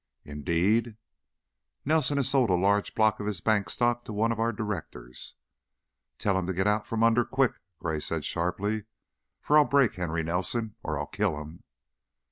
"Indeed?" "Nelson has sold a large block of his bank stock to one of our directors." "Tell him to get out from under, quick," Gray said, sharply, "for I'll break Henry Nelson or I'll kill him!"